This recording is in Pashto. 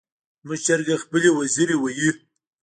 زموږ چرګه خپلې وزرې وهي.